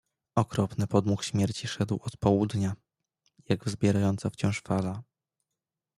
"Okropny podmuch śmierci szedł od południa, jak wzbierająca wciąż fala."